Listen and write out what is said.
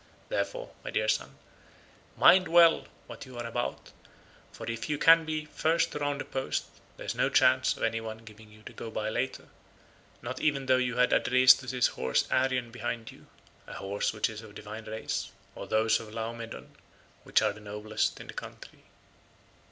Therefore, my dear son, mind well what you are about, for if you can be first to round the post there is no chance of any one giving you the go by later, not even though you had Adrestus's horse Arion behind you—a horse which is of divine race—or those of Laomedon, which are the noblest in this country."